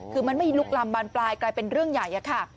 คือมันไม่ลุกลำบานปลายกลายเป็นเรื่องใหญ่อะค่ะ